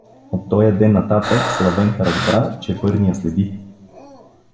От тоя ден нататък Славенка разбра, че Бърни я следи.